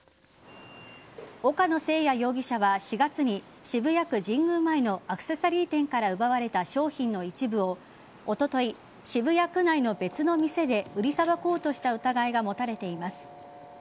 岡野誠也容疑者は４月に渋谷区神宮前のアクセサリー店から奪われた商品の一部をおととい、渋谷区内の別の店で売りさばこうとした疑いが持たれています。